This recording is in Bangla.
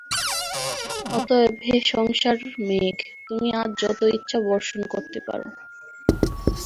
অতএব হে সংসার-মেঘ, তুমি আজ যত ইচ্ছা বর্ষণ করতে পার।